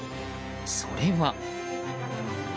それは。